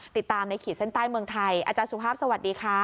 ติดตามในขีดเส้นใต้เมืองไทยอาจารย์สุภาพสวัสดีค่ะ